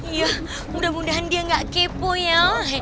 iya mudah mudahan dia gak kepo ya